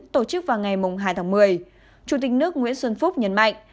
tổ chức vào ngày hai tháng một mươi chủ tịch nước nguyễn xuân phúc nhấn mạnh